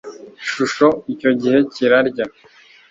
shusho icyo gihe kirarya